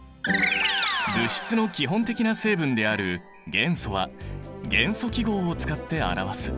物質の基本的な成分である元素は元素記号を使って表す。